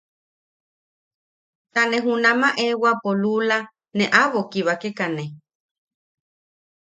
Ta ne junama eewapo luula ne aʼabo kibakekane.